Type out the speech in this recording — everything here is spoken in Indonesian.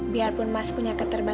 biarpun mas punya ketentuan